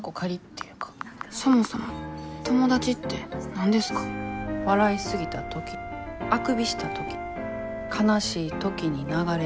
そもそも友達って何ですか笑い過ぎた時あくびした時悲しい時に流れる涙。